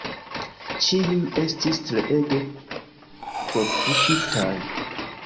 Ĉiuj estis treege kortuŝitaj.